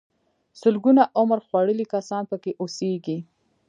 سلګونه عمر خوړلي کسان پکې اوسيږي.